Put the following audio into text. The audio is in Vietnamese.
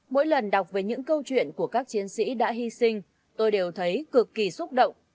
mỗi lần đọc về những câu chuyện của các chiến sĩ đã hy sinh tôi đều thấy cực kỳ xúc động